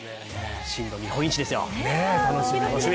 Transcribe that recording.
真の日本一ですよ。